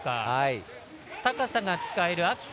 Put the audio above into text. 高さが使える秋田